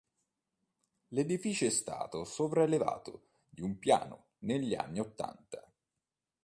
L'edificio è stato sopraelevato di un piano negli anni ottanta.